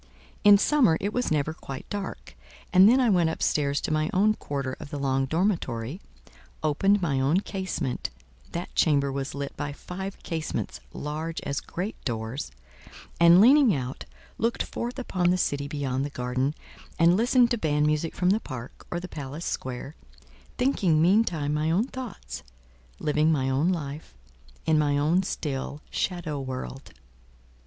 In summer it was never quite dark, and then I went up stairs to my own quarter of the long dormitory, opened my own casement (that chamber was lit by five casements large as great doors), and leaning out, looked forth upon the city beyond the garden, and listened to band music from the park or the palace square, thinking meantime my own thoughts, living my own life, in my own still, shadow world.